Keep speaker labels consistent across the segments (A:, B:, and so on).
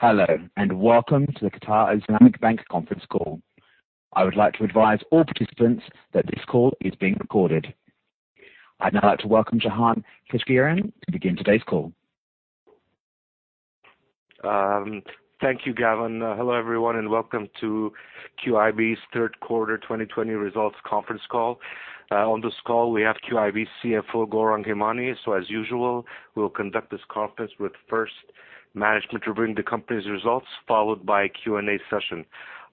A: Hello, and welcome to the Qatar Islamic Bank conference call. I would like to advise all participants that this call is being recorded. I'd now like to welcome Jahan Keshtkarian to begin today's call.
B: Thank you, Gavin. Hello, everyone, and welcome to QIB's third quarter 2020 results conference call. On this call we have QIB CFO, Gourang Hemani. As usual, we'll conduct this conference with first management to bring the company's results, followed by a Q&A session.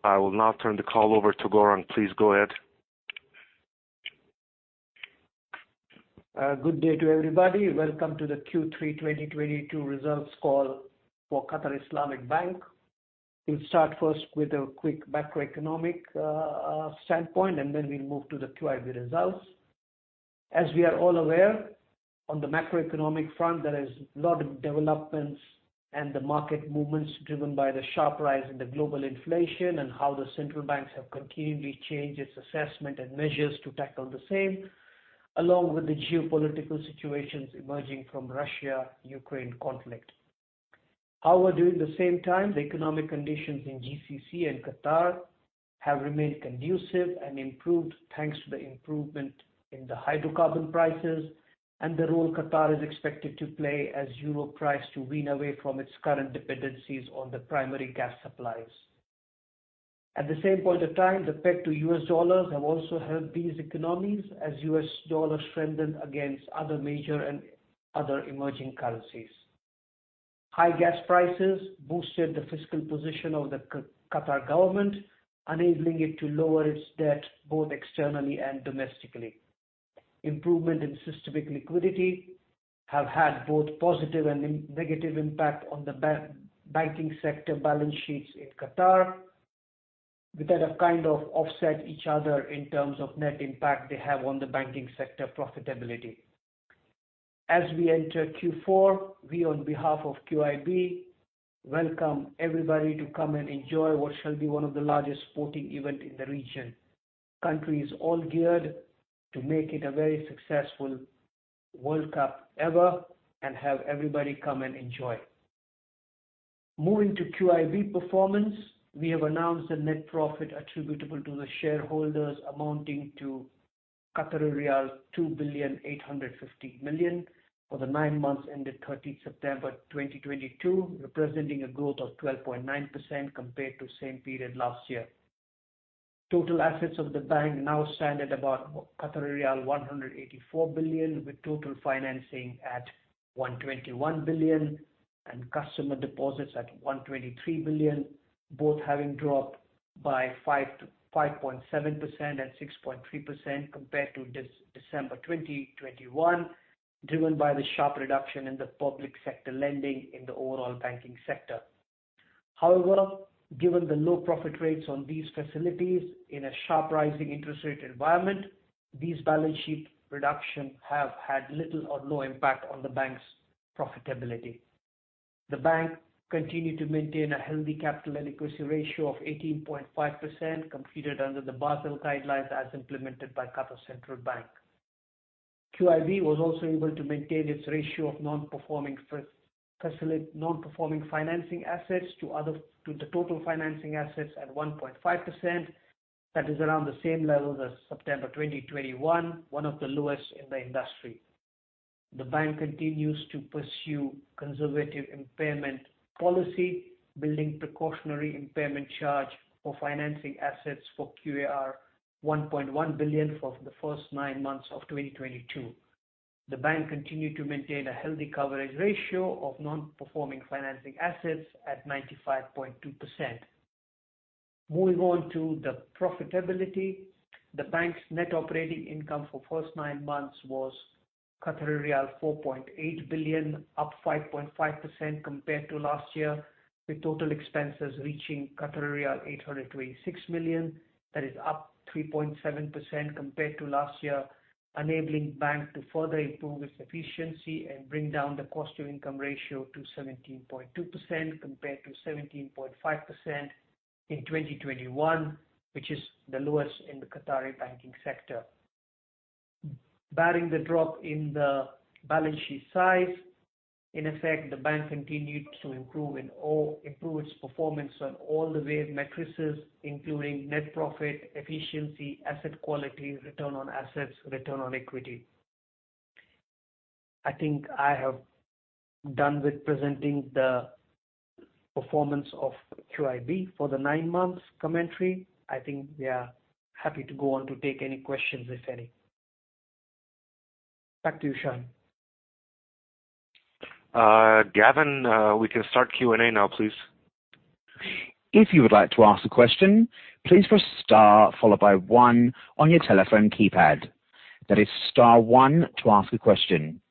B: I will now turn the call over to Gourang. Please go ahead.
C: Good day to everybody. Welcome to the Q3 2022 results call for Qatar Islamic Bank. We'll start first with a quick macroeconomic standpoint, and then we'll move to the QIB results. As we are all aware, on the macroeconomic front there is a lot of developments and the market movements driven by the sharp rise in the global inflation and how the central banks have continually changed its assessment and measures to tackle the same, along with the geopolitical situations emerging from Russia-Ukraine conflict. However, during the same time, the economic conditions in GCC and Qatar have remained conducive and improved thanks to the improvement in the hydrocarbon prices and the role Qatar is expected to play as Europe tries to wean away from its current dependencies on the primary gas supplies. At the same point of time, the peg to US dollars have also helped these economies as US dollar strengthened against other major and other emerging currencies. High gas prices boosted the fiscal position of the Qatar government, enabling it to lower its debt both externally and domestically. Improvement in systemic liquidity have had both positive and negative impact on the banking sector balance sheets in Qatar. With that have kind of offset each other in terms of net impact they have on the banking sector profitability. As we enter Q4, we on behalf of QIB welcome everybody to come and enjoy what shall be one of the largest sporting event in the region. Country is all geared to make it a very successful World Cup ever and have everybody come and enjoy. Moving to QIB performance, we have announced a net profit attributable to the shareholders amounting to riyal 2.85 billion for the nine months ended 13 September 2022, representing a growth of 12.9% compared to same period last year. Total assets of the bank now stand at about 184 billion, with total financing at 121 billion and customer deposits at 123 billion, both having dropped by 5%-5.7% and 6.3% compared to December 2021, driven by the sharp reduction in the public sector lending in the overall banking sector. However, given the low profit rates on these facilities in a sharp rising interest rate environment, these balance sheet reduction have had little or no impact on the bank's profitability. The bank continued to maintain a healthy capital adequacy ratio of 18.5%, computed under the Basel guidelines as implemented by Qatar Central Bank. QIB was also able to maintain its ratio of non-performing financing assets to the total financing assets at 1.5%. That is around the same level as September 2021, one of the lowest in the industry. The bank continues to pursue conservative impairment policy, building precautionary impairment charge for financing assets for QAR 1.1 billion for the first nine months of 2022. The bank continued to maintain a healthy coverage ratio of non-performing financing assets at 95.2%. Moving on to the profitability. The bank's net operating income for first nine months was 4.8 billion, up 5.5% compared to last year, with total expenses reaching 826 million. That is up 3.7% compared to last year, enabling bank to further improve its efficiency and bring down the cost to income ratio to 17.2% compared to 17.5% in 2021, which is the lowest in the Qatari banking sector. Barring the drop in the balance sheet size, in effect, the bank continued to improve its performance on all key metrics, including net profit, efficiency, asset quality, return on assets, return on equity. I think I have done with presenting the performance of QIB for the nine months commentary. I think we are happy to go on to take any questions, if any. Back to you, Jehan.
B: Gavin, we can start Q&A now, please.
A: If you would like to ask a question, please press star followed by one on your telephone keypad. That is star one to ask a question.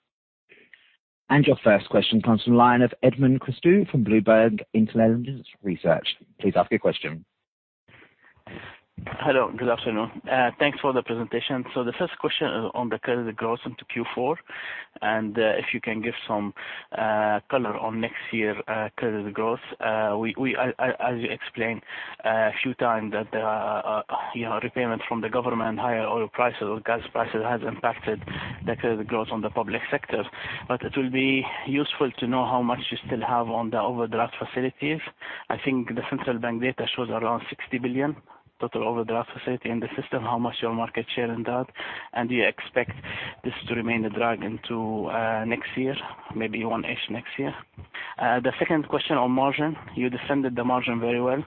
A: Your first question comes from the line of Edmond Christou from Bloomberg Intelligence. Please ask your question.
D: Hello, good afternoon. Thanks for the presentation. The first question on the credit growth into Q4, and if you can give some color on next year credit growth. As you explained a few times that there are you know repayments from the government, higher oil prices or gas prices has impacted the credit growth on the public sector. It will be useful to know how much you still have on the overdraft facilities. I think the central bank data shows around 60 billion total overdraft facility in the system, how much your market share in that? Do you expect this to remain a drag into next year, maybe Q1-ish next year? The second question on margin. You defended the margin very well,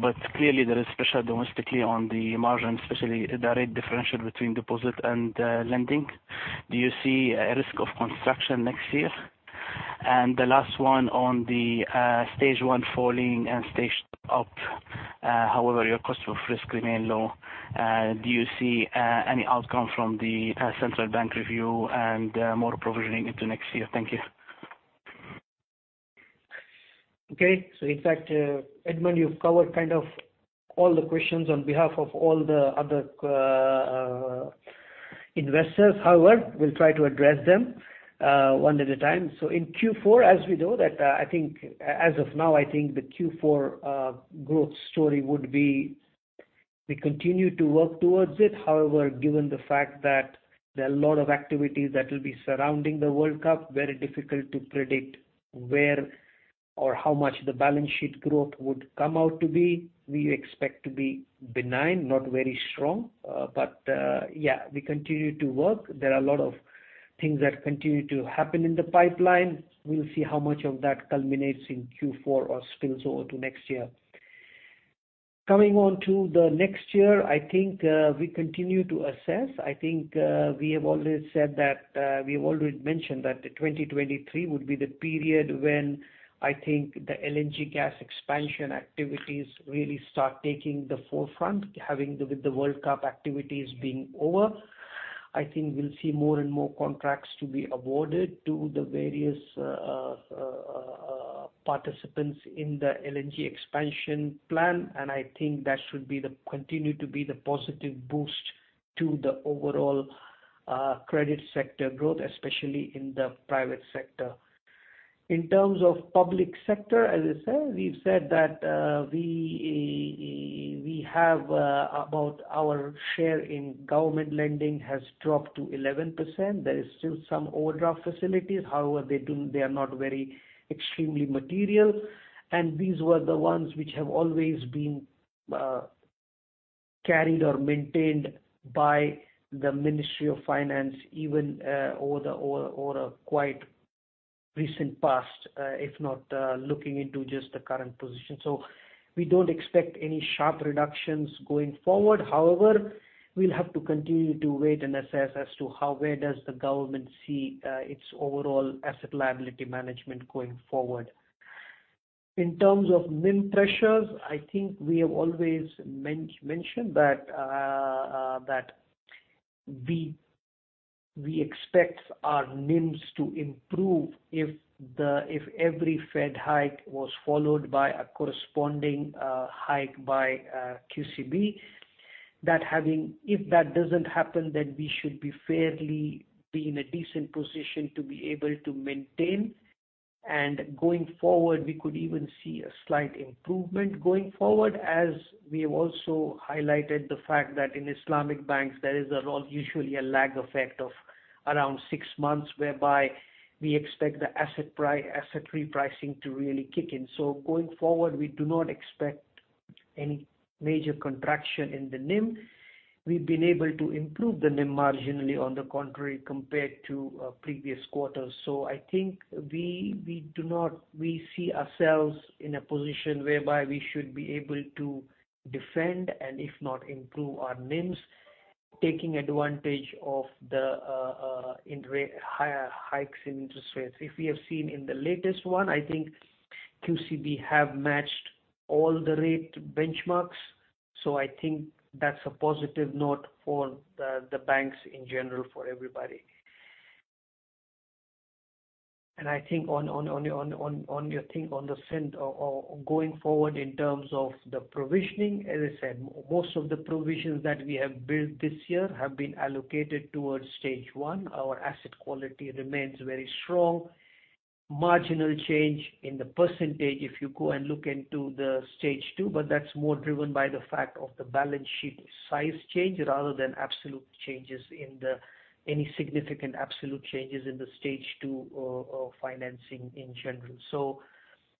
D: but clearly there is pressure domestically on the margin, especially the rate differential between deposit and lending. Do you see a risk of contraction next year? The last one on the Stage 1 falling and Stage 2 up. However, your cost of risk remain low. Do you see any outcome from the central bank review and more provisioning into next year? Thank you.
C: Okay. In fact, Edmond you've covered kind of all the questions on behalf of all the other investors. However, we'll try to address them one at a time. In Q4, as we know that, I think as of now, I think the Q4 growth story would be we continue to work towards it. However, given the fact that there are a lot of activities that will be surrounding the World Cup, very difficult to predict where or how much the balance sheet growth would come out to be. We expect to be benign, not very strong. Yeah, we continue to work. There are a lot of things that continue to happen in the pipeline. We'll see how much of that culminates in Q4 or spills over to next year. Coming on to the next year, I think we continue to assess. I think we have already said that we have already mentioned that 2023 would be the period when I think the LNG gas expansion activities really start taking the forefront, with the World Cup activities being over. I think we'll see more and more contracts to be awarded to the various participants in the LNG expansion plan. I think that should continue to be the positive boost to the overall credit sector growth, especially in the private sector. In terms of public sector, as I said, we've said that we have about our share in government lending has dropped to 11%. There is still some overdraft facilities. However, they are not very extremely material. These were the ones which have always been carried or maintained by the Ministry of Finance even over a quite recent past, if not looking into just the current position. We don't expect any sharp reductions going forward. However, we'll have to continue to wait and assess as to how well does the government see its overall asset liability management going forward. In terms of NIM pressures, I think we have always mentioned that we expect our NIMs to improve if every Fed hike was followed by a corresponding hike by QCB. If that doesn't happen, then we should be fairly be in a decent position to be able to maintain. Going forward, we could even see a slight improvement going forward, as we have also highlighted the fact that in Islamic banks, there is usually a lag effect of around six months, whereby we expect the asset repricing to really kick in. Going forward, we do not expect any major contraction in the NIM. We've been able to improve the NIM marginally on the contrary compared to previous quarters. I think we see ourselves in a position whereby we should be able to defend and if not improve our NIMs, taking advantage of the higher hikes in interest rates. If we have seen in the latest one, I think QCB have matched all the rate benchmarks. I think that's a positive note for the banks in general for everybody. I think on your thing on the front going forward in terms of the provisioning, as I said, most of the provisions that we have built this year have been allocated towards Stage 1. Our asset quality remains very strong. Marginal change in the percentage if you go and look into the Stage 2, but that's more driven by the fact of the balance sheet size change rather than any significant absolute changes in the Stage 2 financing in general.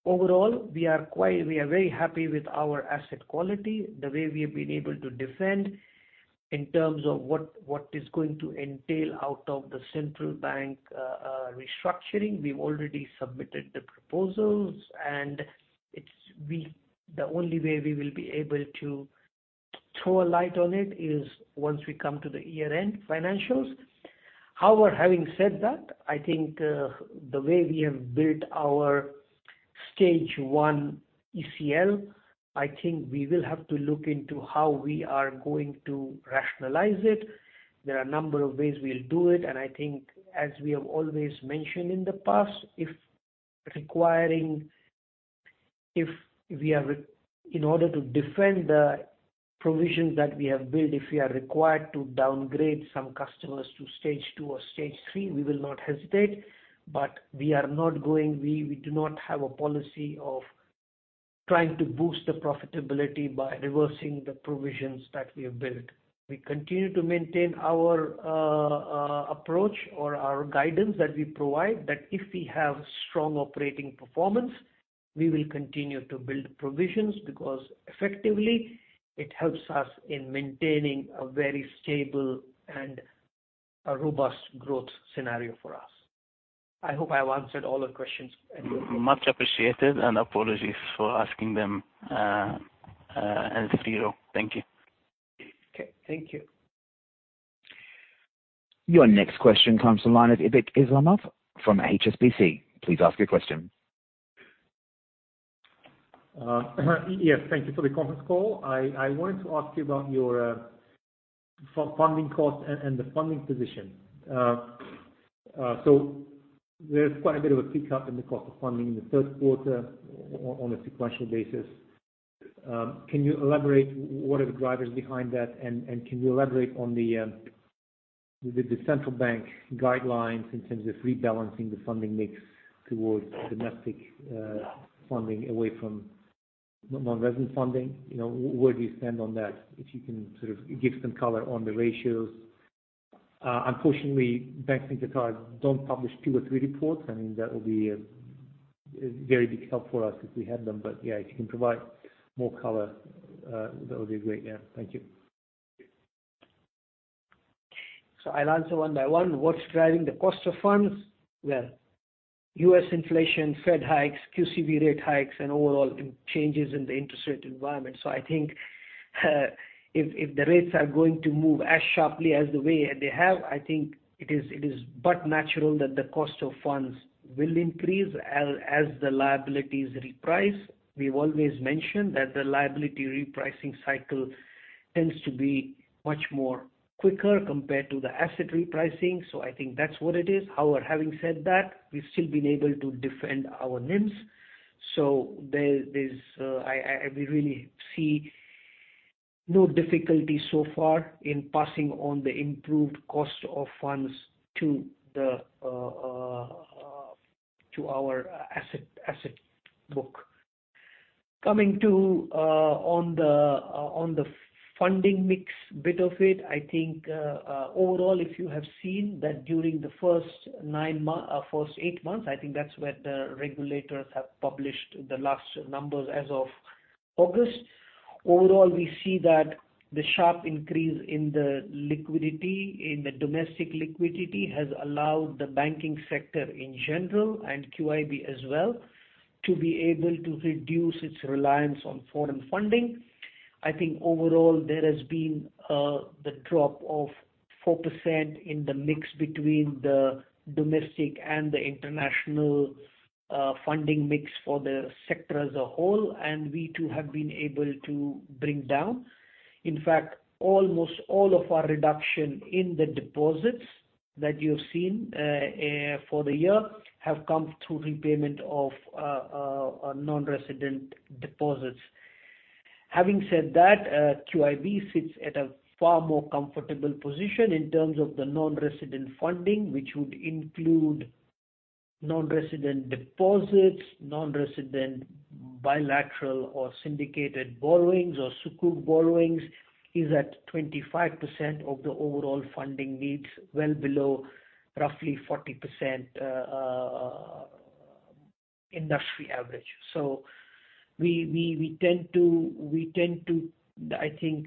C: Overall, we are very happy with our asset quality, the way we have been able to defend in terms of what is going to entail out of the central bank restructuring. We've already submitted the proposals and the only way we will be able to throw a light on it is once we come to the year-end financials. However, having said that, I think, the way we have built our Stage 1 ECL, I think we will have to look into how we are going to rationalize it. There are a number of ways we'll do it. I think as we have always mentioned in the past, in order to defend the provisions that we have built, if we are required to downgrade some customers to Stage 2 or Stage 3, we will not hesitate. We do not have a policy of trying to boost the profitability by reversing the provisions that we have built. We continue to maintain our approach or our guidance that we provide that if we have strong operating performance. We will continue to build provisions because effectively it helps us in maintaining a very stable and a robust growth scenario for us. I hope I have answered all the questions and.
D: Much appreciated, and apologies for asking them as zero. Thank you.
C: Okay. Thank you.
A: Your next question comes from the line of Aybek Islamov from HSBC. Please ask your question.
E: Yes, thank you for the conference call. I wanted to ask you about your funding cost and the funding position. So there's quite a bit of a pickup in the cost of funding in the third quarter on a sequential basis. Can you elaborate what are the drivers behind that? And can you elaborate on the central bank guidelines in terms of rebalancing the funding mix towards domestic funding away from non-resident funding? You know, where do you stand on that? If you can sort of give some color on the ratios. Unfortunately, banks in Qatar don't publish Q3 reports. I mean, that would be a very big help for us if we had them. Yeah, if you can provide more color, that would be great. Yeah. Thank you.
C: I'll answer one by one. What's driving the cost of funds? Well, US inflation, Fed hikes, QCB rate hikes, and overall changes in the interest rate environment. I think, if the rates are going to move as sharply as the way they have, I think it is but natural that the cost of funds will increase as the liabilities reprice. We've always mentioned that the liability repricing cycle tends to be much more quicker compared to the asset repricing. I think that's what it is. However, having said that, we've still been able to defend our NIMs. We really see no difficulty so far in passing on the improved cost of funds to our asset book. Coming to on the funding mix bit of it, I think overall, if you have seen that during the first eight months, I think that's where the regulators have published the last numbers as of August. Overall, we see that the sharp increase in the liquidity, in the domestic liquidity has allowed the banking sector in general and QIB as well to be able to reduce its reliance on foreign funding. I think overall there has been the drop of 4% in the mix between the domestic and the international funding mix for the sector as a whole, and we too have been able to bring down. In fact, almost all of our reduction in the deposits that you've seen for the year have come through repayment of non-resident deposits. Having said that, QIB sits at a far more comfortable position in terms of the non-resident funding, which would include non-resident deposits, non-resident bilateral or syndicated borrowings or Sukuk borrowings, is at 25% of the overall funding needs, well below roughly 40%, industry average. We tend to, I think,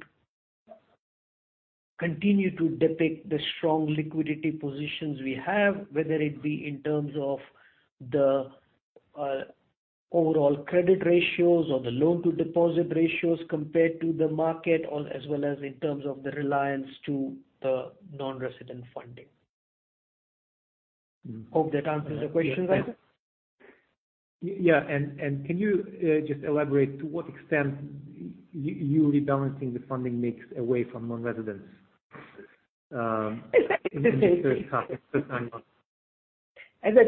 C: continue to depict the strong liquidity positions we have, whether it be in terms of the overall credit ratios or the loan to deposit ratio compared to the market as well as in terms of the reliance to the non-resident funding. Hope that answers the question.
E: Can you just elaborate to what extent you rebalancing the funding mix away from non-residents in the first half?
C: As I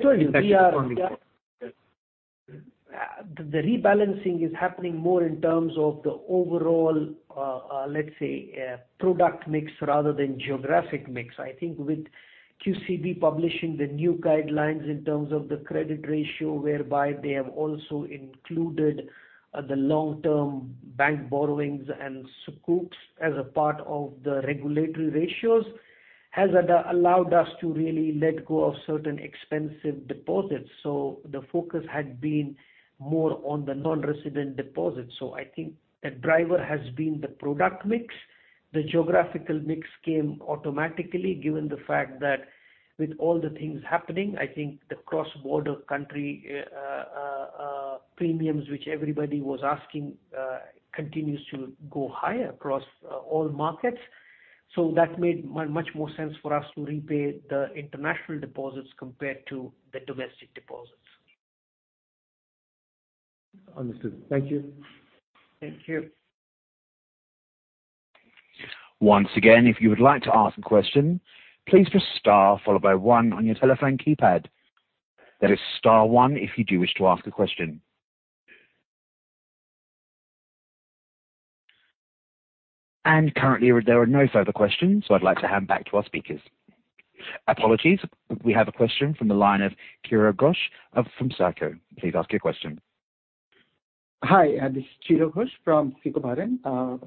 C: told you, the rebalancing is happening more in terms of the overall, let's say, product mix rather than geographic mix. I think with QCB publishing the new guidelines in terms of the credit ratio, whereby they have also included the long-term bank borrowings and Sukuk as a part of the regulatory ratios, has allowed us to really let go of certain expensive deposits. The focus had been more on the non-resident deposits. I think the driver has been the product mix. The geographical mix came automatically, given the fact that with all the things happening, I think the cross-border country premiums, which everybody was asking, continues to go higher across all markets. That made much more sense for us to repay the international deposits compared to the domestic deposits.
E: Understood. Thank you.
C: Thank you.
A: Once again, if you would like to ask a question, please press star followed by one on your telephone keypad. That is star one if you do wish to ask a question. Currently, there are no further questions, so I'd like to hand back to our speakers. Apologies. We have a question from the line of Chirag Ghosh from SICO. Please ask your question.
F: Hi, this is Chirag Ghosh from SICO. First,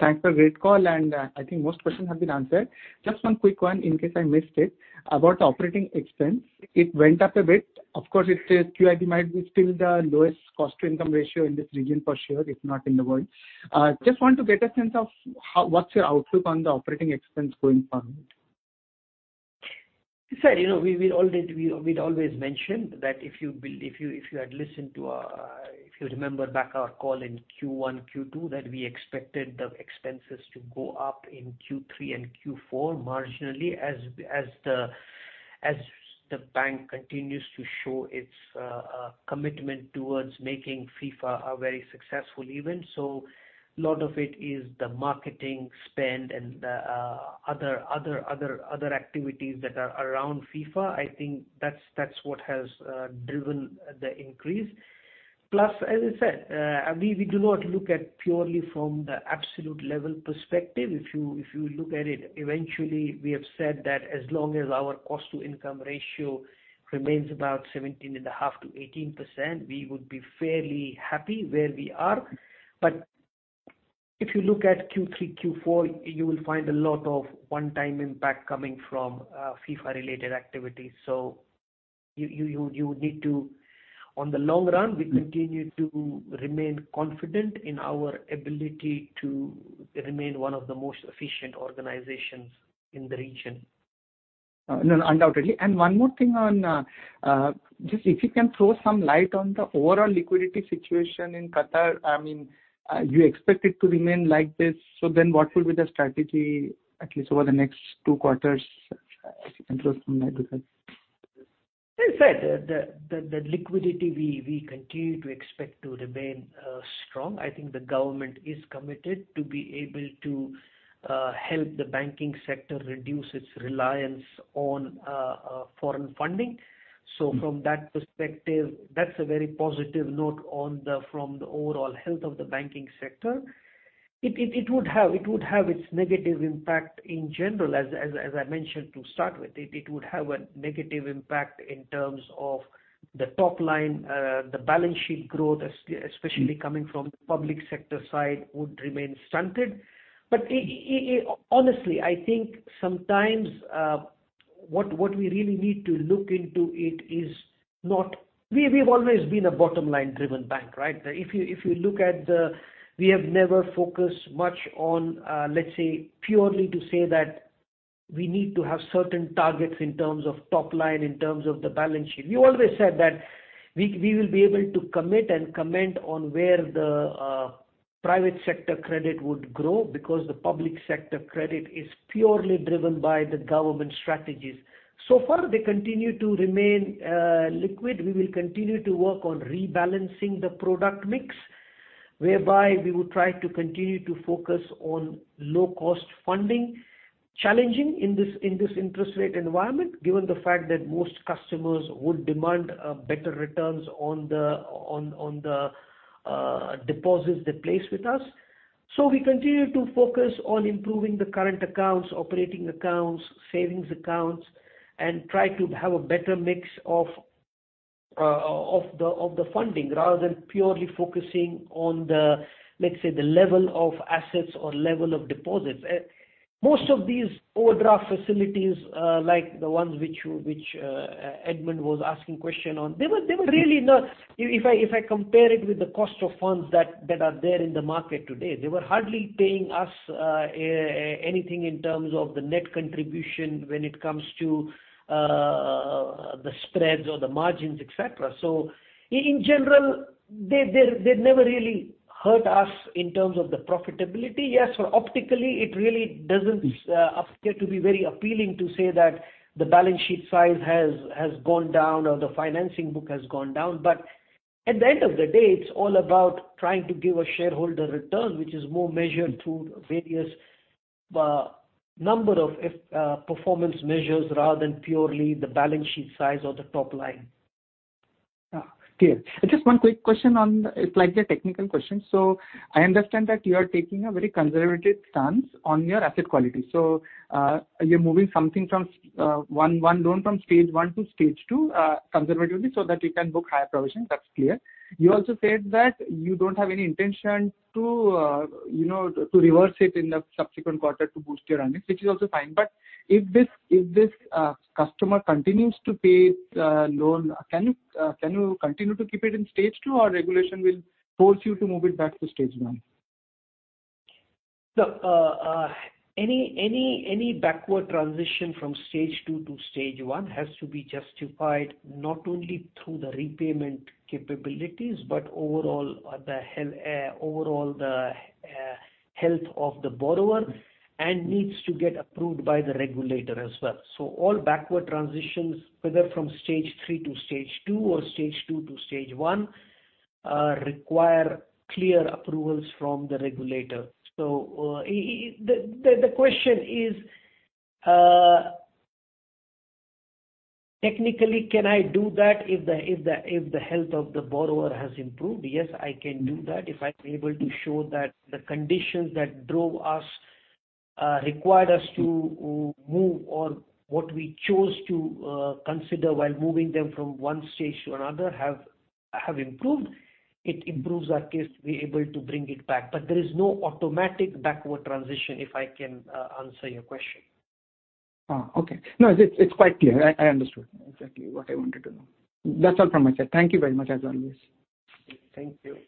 F: thanks for great call and, I think most questions have been answered. Just one quick one in case I missed it. About operating expense, it went up a bit. Of course, it says QIB might be still the lowest cost-to-income ratio in this region for sure, if not in the world. Just want to get a sense of what's your outlook on the operating expense going forward?
C: As I said, you know, we'd always mentioned that if you remember back to our call in Q1, Q2, that we expected the expenses to go up in Q3 and Q4 marginally as the bank continues to show its commitment towards making FIFA a very successful event. A lot of it is the marketing spend and the other activities that are around FIFA. I think that's what has driven the increase. Plus, as I said, we do not look at it purely from the absolute level perspective. If you look at it, eventually we have said that as long as our cost to income ratio remains about 17.5%-18%, we would be fairly happy where we are. If you look at Q3, Q4, you will find a lot of one-time impact coming from FIFA-related activities. You need to on the long run.
F: Mm-hmm
C: We continue to remain confident in our ability to remain one of the most efficient organizations in the region.
F: No, undoubtedly. One more thing on, just if you can throw some light on the overall liquidity situation in Qatar. I mean, you expect it to remain like this, so then what will be the strategy at least over the next two quarters? If you can throw some light with that.
C: As I said, the liquidity we continue to expect to remain strong. I think the government is committed to be able to help the banking sector reduce its reliance on foreign funding. From that perspective, that's a very positive note on the overall health of the banking sector. It would have its negative impact in general. As I mentioned to start with, it would have a negative impact in terms of the top line, the balance sheet growth especially-
F: Mm-hmm
C: Coming from the public sector side would remain stunted. We've always been a bottom line-driven bank, right? We have never focused much on, let's say, purely to say that we need to have certain targets in terms of top line, in terms of the balance sheet. We always said that we will be able to commit and comment on where the private sector credit would grow because the public sector credit is purely driven by the government strategies. So far they continue to remain liquid. We will continue to work on rebalancing the product mix, whereby we would try to continue to focus on low-cost funding, challenging in this interest rate environment, given the fact that most customers would demand better returns on the deposits they place with us. We continue to focus on improving the current accounts, operating accounts, savings accounts, and try to have a better mix of the funding rather than purely focusing on the, let's say, the level of assets or level of deposits. Most of these overdraft facilities, like the ones which Edmond was asking question on, they were really not. If I compare it with the cost of funds that are there in the market today, they were hardly paying us anything in terms of the net contribution when it comes to the spreads or the margins, et cetera. In general, they never really hurt us in terms of the profitability. Yes, optically, it really doesn't appear.
F: Mm-hmm
C: to be very appealing to say that the balance sheet size has gone down or the financing book has gone down. At the end of the day, it's all about trying to give a shareholder return which is more measured through various number of performance measures rather than purely the balance sheet size or the top line.
F: Okay. Just one quick question. It's like a technical question. I understand that you are taking a very conservative stance on your asset quality. You're moving something from one loan from Stage 1 to Stage 2, conservatively so that you can book higher provision, that's clear. You also said that you don't have any intention to, you know, to reverse it in the subsequent quarter to boost your earnings, which is also fine. If this customer continues to pay the loan, can you continue to keep it in Stage 2 or regulation will force you to move it back to Stage 1?
C: Look, any backward transition from Stage 2 to Stage 1 has to be justified not only through the repayment capabilities but overall the health of the borrower and needs to get approved by the regulator as well. All backward transitions, whether from Stage 3 to Stage 2 or Stage 2 to Stage 1, require clear approvals from the regulator. The question is, technically can I do that if the health of the borrower has improved? Yes, I can do that if I'm able to show that the conditions that required us to move or what we chose to consider while moving them from one stage to another have improved. It improves our case to be able to bring it back. There is no automatic backward transition, if I can answer your question.
F: Okay. No, it's quite clear. I understood. Exactly what I wanted to know. That's all from my side. Thank you very much as always.
C: Thank you.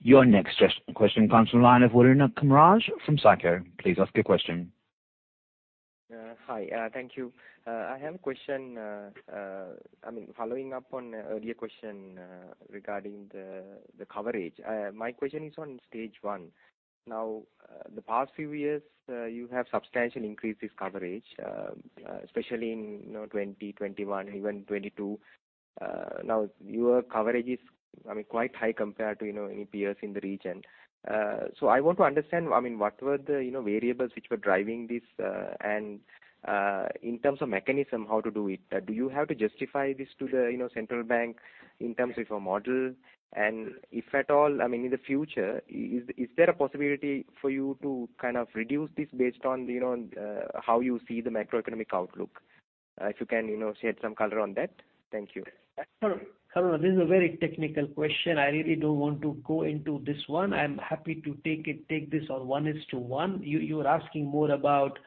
A: Your next question comes from the line of Varun Kumar from SICO. Please ask your question.
G: Hi. Thank you. I have a question, I mean, following up on an earlier question regarding the coverage. My question is on Stage 1. Now, the past few years, you have substantial increases in coverage, especially in, you know, 2020, 2021, even 2022. Now your coverage is, I mean, quite high compared to, you know, any peers in the region. I want to understand, I mean, what were the, you know, variables which were driving this, and, in terms of mechanism, how to do it. Do you have to justify this to the, you know, central bank in terms of your model? If at all, I mean, in the future, is there a possibility for you to kind of reduce this based on, you know, how you see the macroeconomic outlook? If you can, you know, shed some color on that. Thank you.
C: Varun, this is a very technical question. I really don't want to go into this one. I'm happy to take this on one-on-one. You're asking more about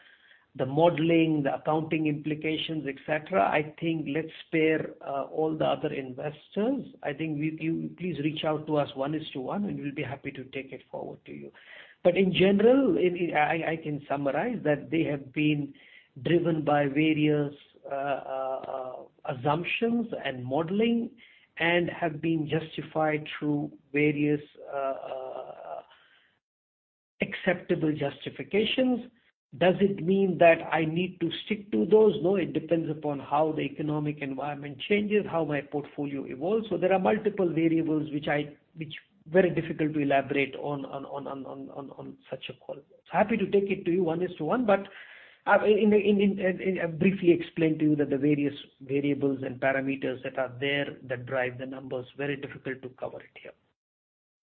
C: the modeling, the accounting implications, et cetera. I think let's spare all the other investors. You please reach out to us one-on-one, and we'll be happy to take it forward to you. In general, I can summarize that they have been driven by various assumptions and modeling and have been justified through various acceptable justifications. Does it mean that I need to stick to those? No. It depends upon how the economic environment changes, how my portfolio evolves. There are multiple variables which is very difficult to elaborate on such a call. Happy to take it to you one-on-one, but in, I briefly explained to you that the various variables and parameters that are there that drive the numbers. Very difficult to cover it here.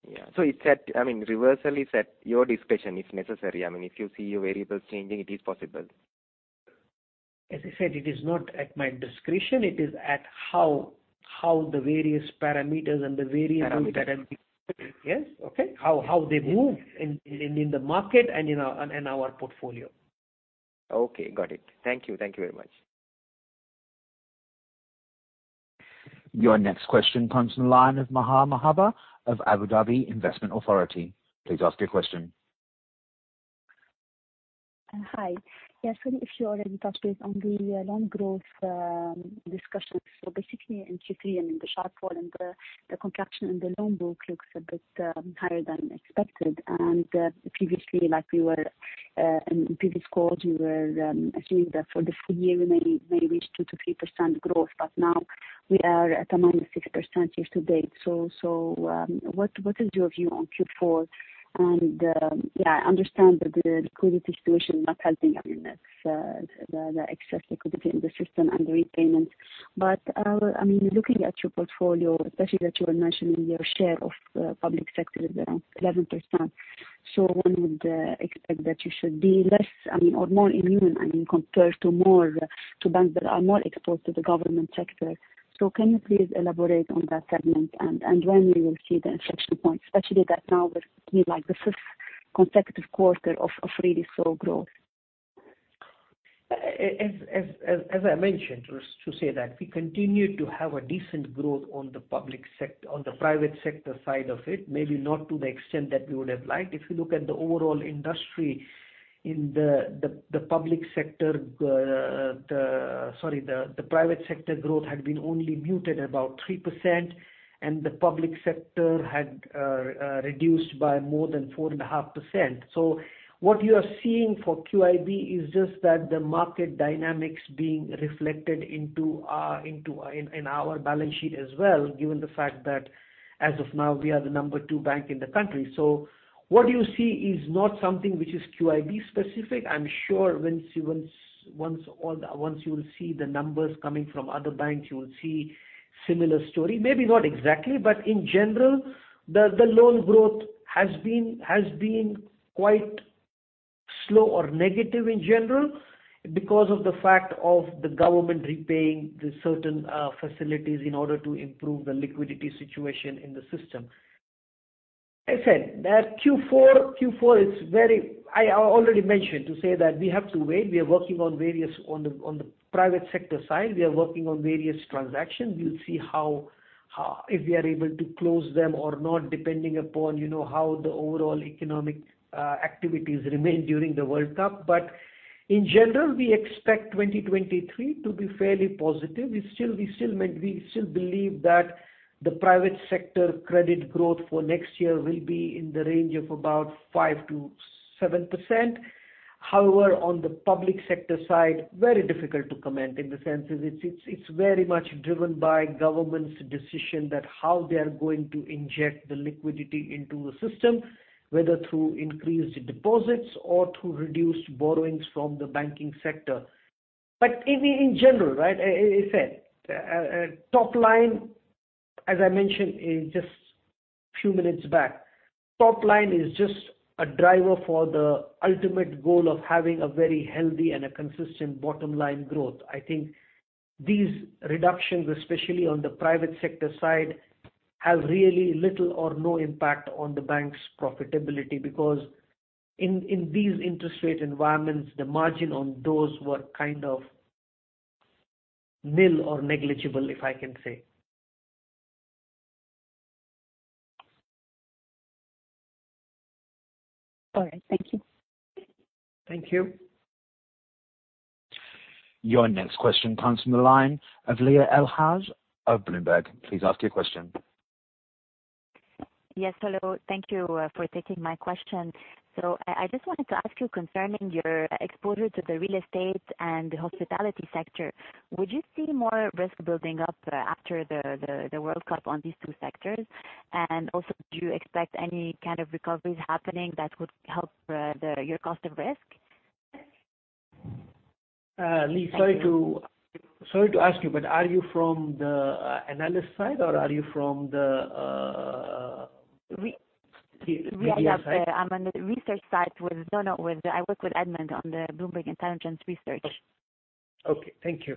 G: Yeah. It's at, I mean, reversal is at your discretion if necessary. I mean, if you see your variables changing, it is possible.
C: As I said, it is not at my discretion. It is at how the various parameters and the variables that.
G: Parameters.
C: Yes. Okay. How they move.
G: Yes.
C: in the market and in our portfolio.
G: Okay. Got it. Thank you. Thank you very much.
A: Your next question comes from the line of Mahia Al-Mahmassani of Abu Dhabi Investment Authority. Please ask your question.
H: Hi. Yes. If you already touched base on the loan growth discussion. Basically in Q3 and in the sharp fall and the contraction in the loan book looks a bit higher than expected. Previously, like in previous calls, we were assuming that for the full year we may reach 2%-3% growth, but now we are at a -6% year to date. What is your view on Q4? Yeah, I understand that the liquidity situation not helping. I mean, it's the excess liquidity in the system and the repayments. I mean, looking at your portfolio, especially that you were mentioning your share of public sector is around 11%. One would expect that you should be less, I mean, or more immune, I mean, compared to more, to banks that are more exposed to the government sector. Can you please elaborate on that segment and when we will see the inflection point, especially that now with it being like the fifth consecutive quarter of really slow growth?
C: As I mentioned, to say that we continue to have a decent growth on the private sector side of it, maybe not to the extent that we would have liked. If you look at the overall industry, the private sector growth had been only muted about 3%, and the public sector had reduced by more than 4.5%. What you are seeing for QIB is just that the market dynamics being reflected into our balance sheet as well, given the fact that as of now, we are the number two bank in the country. What you see is not something which is QIB specific. I'm sure once you will see the numbers coming from other banks, you will see similar story. Maybe not exactly, but in general, the loan growth has been quite slow or negative in general because of the fact of the government repaying the certain facilities in order to improve the liquidity situation in the system. I said that Q4. I already mentioned to say that we have to wait. We are working on various on the private sector side. We are working on various transactions. We'll see how if we are able to close them or not depending upon, you know, how the overall economic activities remain during the World Cup. In general, we expect 2023 to be fairly positive. We still believe that the private sector credit growth for next year will be in the range of about 5%-7%. However, on the public sector side, very difficult to comment in the sense it's very much driven by government's decision that how they are going to inject the liquidity into the system, whether through increased deposits or through reduced borrowings from the banking sector. In general, right, as I said, top line, as I mentioned in just few minutes back, top line is just a driver for the ultimate goal of having a very healthy and a consistent bottom line growth. I think these reductions, especially on the private sector side, have really little or no impact on the bank's profitability because in these interest rate environments, the margin on those were kind of nil or negligible, if I can say.
H: All right. Thank you.
C: Thank you.
A: Your next question comes from the line of Lea El-Hage of Bloomberg Intelligence. Please ask your question.
I: Yes. Hello. Thank you for taking my question. I just wanted to ask you concerning your exposure to the real estate and the hospitality sector. Would you see more risk building up after the World Cup on these two sectors? And also, do you expect any kind of recoveries happening that would help your Cost of Risk?
C: Uh, Lee-
I: Thank you.
C: Sorry to ask you, but are you from the analyst side or are you from the?
I: Re-
C: The BD side?
I: Yeah. I work with Edmond on the Bloomberg Intelligence research.
C: Okay. Thank you.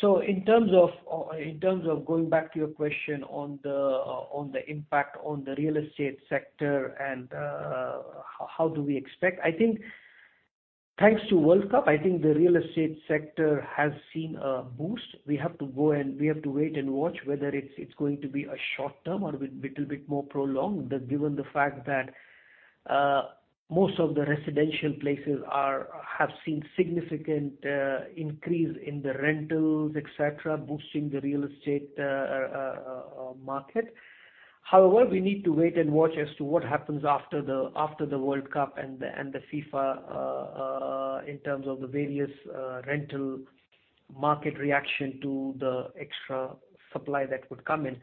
C: So in terms of going back to your question on the impact on the real estate sector. I think thanks to World Cup, the real estate sector has seen a boost. We have to wait and watch whether it's going to be short term or a little bit more prolonged, but given the fact that most of the residential places have seen significant increase in the rentals, et cetera, boosting the real estate market. However, we need to wait and watch as to what happens after the World Cup and the FIFA in terms of the various rental market reaction to the extra supply that would come in.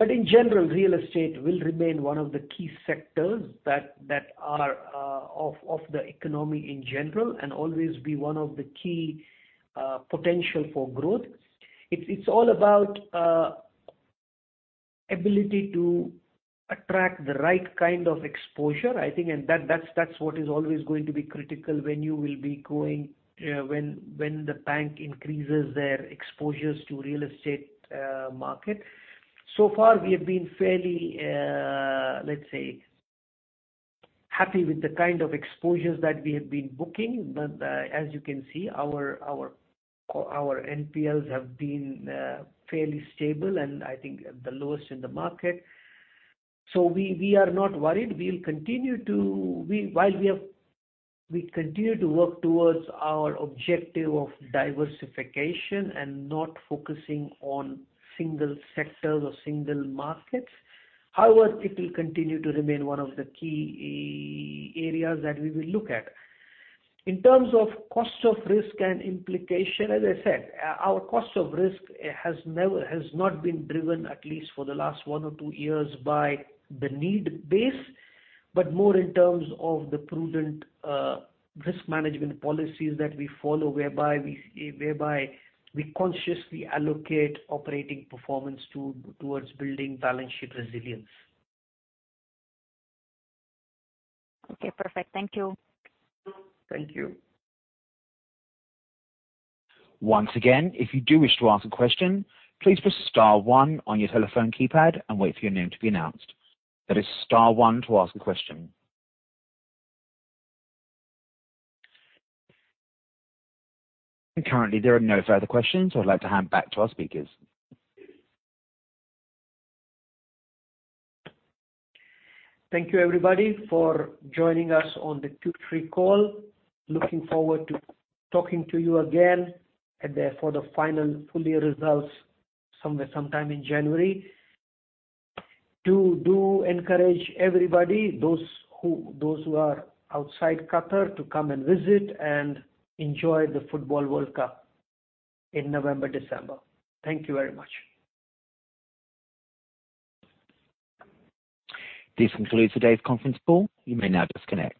C: In general, real estate will remain one of the key sectors that are of the economy in general and always be one of the key potential for growth. It's all about ability to attract the right kind of exposure, I think, and that's what is always going to be critical when the bank increases their exposures to real estate market. So far we have been fairly, let's say, happy with the kind of exposures that we have been booking. As you can see, our NPLs have been fairly stable and I think the lowest in the market. We are not worried. We continue to work towards our objective of diversification and not focusing on single sectors or single markets. However, it will continue to remain one of the key areas that we will look at. In terms of cost of risk and implication, as I said, our cost of risk has not been driven, at least for the last one or two years, by the NPLs, but more in terms of the prudent risk management policies that we follow, whereby we consciously allocate operating performance towards building balance sheet resilience.
I: Okay. Perfect. Thank you.
C: Thank you.
A: Once again, if you do wish to ask a question, please press star one on your telephone keypad and wait for your name to be announced. That is star one to ask a question. Currently there are no further questions. I'd like to hand back to our speakers.
C: Thank you, everybody, for joining us on the Q3 call. Looking forward to talking to you again and therefore the final full year results somewhere, sometime in January. Do encourage everybody, those who are outside Qatar, to come and visit and enjoy the football World Cup in November, December. Thank you very much.
A: This concludes today's conference call. You may now disconnect.